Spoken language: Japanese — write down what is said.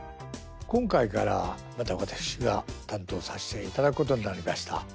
今回からまた私が担当さしていただくことになりました。